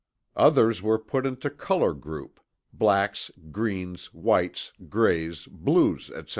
Others were put into the color group Blacks, Greens, Whites, Greys, Blues, etc.